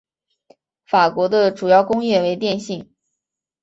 法国的主要工业为电信。